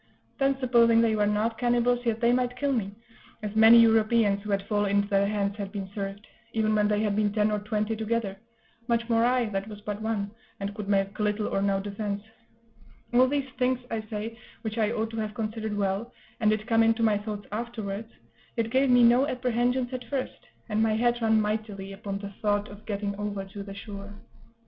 Then, supposing they were not cannibals, yet they might kill me, as many Europeans who had fallen into their hands had been served, even when they had been ten or twenty together much more I, that was but one, and could make little or no defence; all these things, I say, which I ought to have considered well, and did come into my thoughts afterwards, yet gave me no apprehensions at first, and my head ran mightily upon the thought of getting over to the shore.